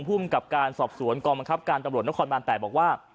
ภูมิกับการสอบสวนกองบังคับการตำรวจนครบาน๘บอกว่า